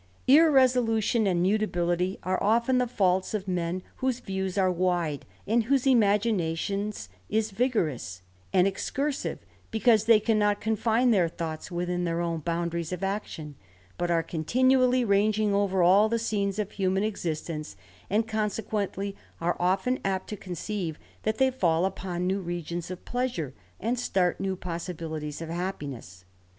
Irresolution and mutability are often the faults of men whose views are wide, and whose imaginations is vigorous and excursive, because they cannot confine their thoughts within their own boundaries of action, but are continually langiing over all the scenes of human existence, and con sequently are often apt to conceive that they fall upon new regions of pleasure, and start new possibilities of happiness.